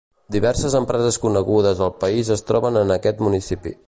Diverses empreses conegudes al país es troben en aquest municipi.